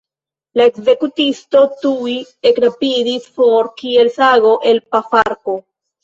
La ekzekutisto tuj ekrapidis for, kiel sago el pafarko.